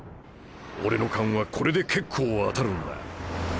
俺の勘はこれで結構当たるんだ。